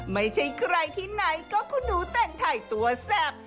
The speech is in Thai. ไม่ใช่ใครที่ไหนก็คุณหนูแต่งไทยตัวแซ่บ